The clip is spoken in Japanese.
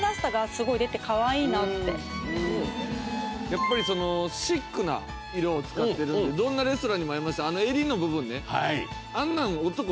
やっぱりそのシックな色を使ってるのでどんなレストランにも合いますしあの襟の部分ねあんなん男